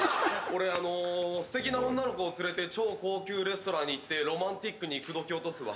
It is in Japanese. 俺あの、すてきな女の子を連れて超高級なレストラン行ってロマンティックに落とすわ。